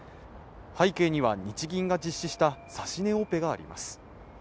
背景には日銀が実施した指し値オペがあります。